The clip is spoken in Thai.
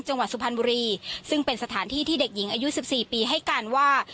จังหวัดสุพรรณบุรีซึ่งเป็นสถานที่ที่เด็กหญิงอายุ๑๔ปีให้การว่า